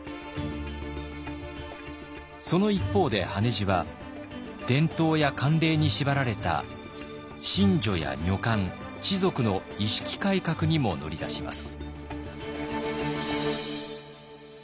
その一方で羽地は伝統や慣例に縛られた神女や女官士族の意識改革にも乗り出します。